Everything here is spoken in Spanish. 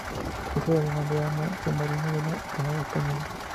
Es el lema del Arma Submarina de la Armada Española.